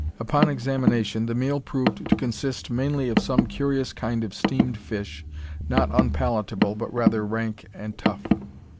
Upon examination, the meal proved to consist mainly of some curious kind of steamed fish, not unpalatable but rather rank and tough.